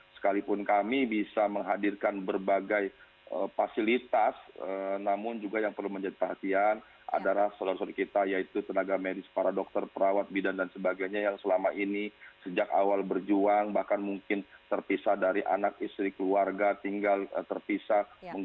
sekalipun kami bisa menghadirkan berbagai fasilitas namun juga yang perlu menjadi perhatian adalah seluruh seluruh kita yaitu tenaga medis para dokter perawat bidan dan sebagainya yang selama ini sejak awal berjuang bahkan mungkin terpisah dari anak istri keluarga tinggal terpisah menggunakan apd harus menjadi perhatian bahkan sudah lebih dari seratus dokter dokter kita